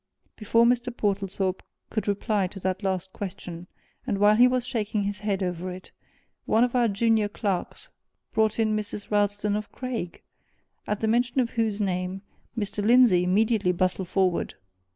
Before Mr. Portlethorpe could reply to that last question, and while he was shaking his head over it, one of our junior clerks brought in Mrs. Ralston of Craig, at the mention of whose name Mr. Lindsey immediately bustled forward.